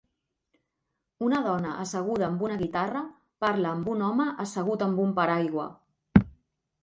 Una dona asseguda amb una guitarra parla amb un home assegut amb un paraigua.